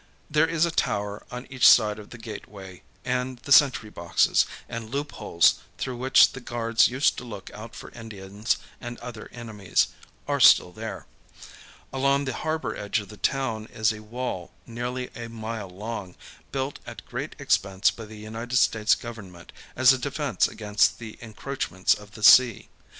There is a tower on each side of the gateway, and the sentry boxes, and loopholes through which the guards used to look out for Indians and other enemies, are still there. Along the harbor edge of the town is a wall nearly a mile long, built at great expense by the United States Government as a defense against the encroachments of the sea.